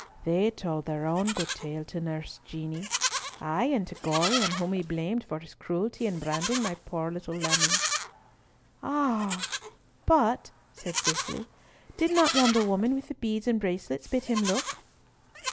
"They told their own tale to good Nurse Jeanie; ay, and to Gorion, whom we blamed for his cruelty in branding my poor little lammie." "Ah! but," said Cicely, "did not yonder woman with the beads and bracelets bid him look?"